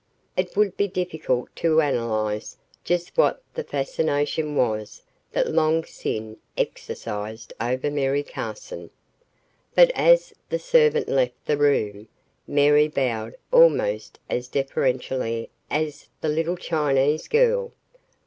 It would be difficult to analyze just what the fascination was that Long Sin exercised over Mary Carson. But as the servant left the room, Mary bowed almost as deferentially as the little Chinese girl.